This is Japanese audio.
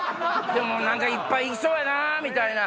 でも何かいっぱい行きそうやな？みたいな。